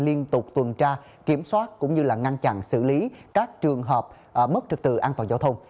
liên tục tuần tra kiểm soát cũng như là ngăn chặn xử lý các trường hợp mất trực tự an toàn giao thông